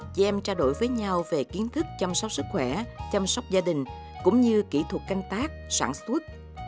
chị em trao đổi với nhau về kiến thức chăm sóc sức khỏe chăm sóc gia đình cũng như kỹ thuật canh tác sản xuất